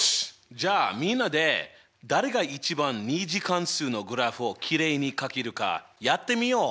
じゃあみんなで誰が一番２次関数のグラフをきれいにかけるかやってみよう！